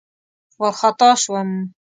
وارخطا شوم.